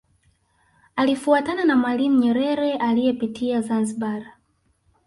Alifuatana na Mwalimu Nyerere aliyepitia Zanzibar